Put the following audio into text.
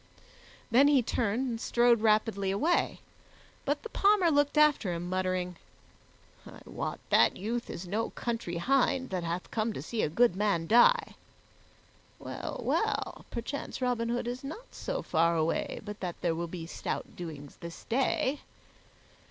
Then he turned and strode rapidly away; but the Palmer looked after him, muttering, "I wot that youth is no country hind that hath come to see a good man die. Well, well, perchance Robin Hood is not so far away but that there will be stout doings this day."